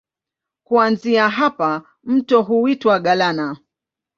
Kuanzia hapa mto huitwa Galana.